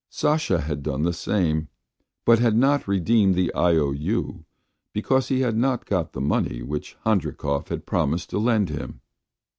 Sasha had done the same, but had not redeemed the IOU because he had not got the money which Handrikov had promised to lend him.